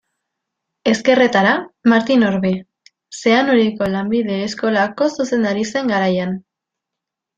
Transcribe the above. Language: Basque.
Ezkerretara, Martin Orbe, Zeanuriko lanbide eskolako zuzendari zen garaian.